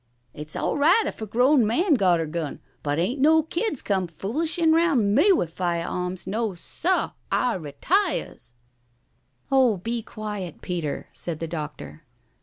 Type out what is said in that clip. It's all right if er grown man got er gun, but ain't no kids come foolishin' round me with fiah awms. No, seh. I retiahs." "Oh, be quiet, Peter!" said the doctor.